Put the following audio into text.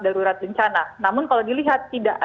darurat bencana namun kalau dilihat tidak